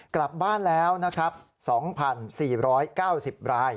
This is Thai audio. กลับบ้านแล้ว๒๔๙๐ราย